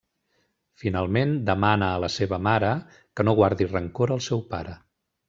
Finalment, demana a la seva mare que no guardi rancor al seu pare.